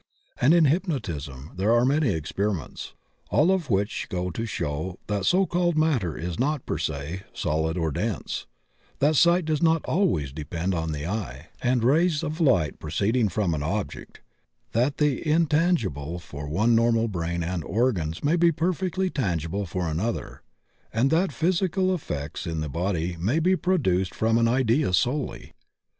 And in hypnotism there are many experiments, all of which go to show that so called matter is not per se solid or dense; that sight does not always depend on the eye and rays 56 THE OCEAN OF THEOSOPHV of light proceeding from an object; that the intan gible for one normal brain and organs may be perfectly tangible for another; and that physical effects in the body may be produced from an idea solely.